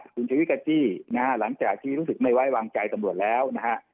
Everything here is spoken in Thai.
คุณชวิตกับจี้นะฮะหลังจากที่รู้สึกไม่ไว้วางใจตำรวจแล้วนะฮะ